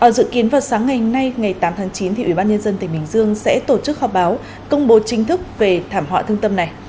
dự kiến vào sáng ngày nay ngày tám tháng chín thì ủy ban nhân dân tỉnh bình dương sẽ tổ chức họp báo công bố chính thức về thảm họa thương tâm này